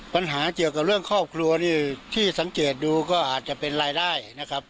ปัญหาเกี่ยวกับเรื่องครอบครัวนี่ที่สังเกตดูก็อาจจะเป็นรายได้นะครับ